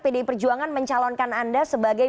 pdi perjuangan mencalonkan anda sebagai